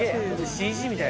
ＣＧみたい。